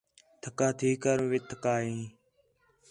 تھکا تھی کر وِہ تِھیا ہیں